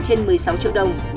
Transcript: trên một mươi sáu triệu đồng